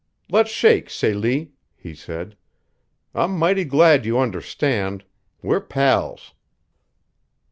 "Let's shake, Celie," he said. "I'm mighty glad you understand we're pals."